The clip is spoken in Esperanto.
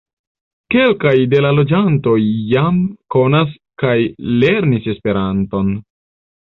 Kelkaj de la loĝantoj jam konas kaj lernis Esperanton.